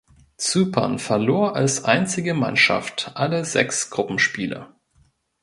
Zypern verlor als einzige Mannschaft alle sechs Gruppenspiele.